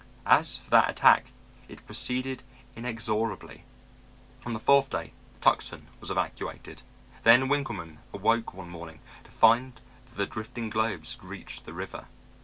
As for that attack, it proceeded inexorably. On the fourth day Tucson was evacuated. Then Winkleman awoke one morning to find that the drifting globes had reached the river.